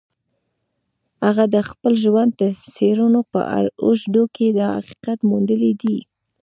هغه د خپل ژوند د څېړنو په اوږدو کې دا حقیقت موندلی دی